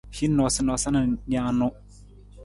Hin noosanoosa nijanu.